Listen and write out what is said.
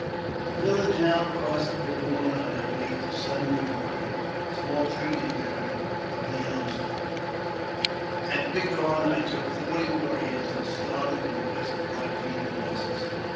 The village now crossed the Big Horn on their way to Sun Biver Creek, a small tributary of the Yellow Stone. At Big I JAMES P. BECKWOUETH. 219 Horn I took forty warriors, and started in quest of Black Peet and horses.